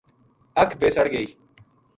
اَکھ بے سڑ گئی